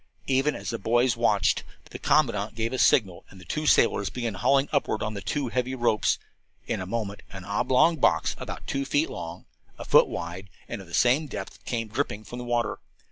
Even as the boys watched, the commandant gave a signal and the sailors began hauling upward on the two heavy ropes. In a moment an oblong box, about two feet long, a foot wide and of the same depth, came dripping from the water.